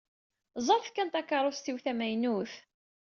Ẓṛet kan takeṛṛust-iw tamaynut.